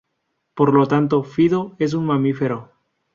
Por lo tanto Fido es un mamífero.